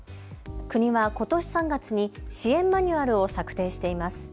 国はことし３月に支援マニュアルを策定しています。